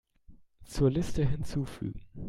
Zur Liste hinzufügen.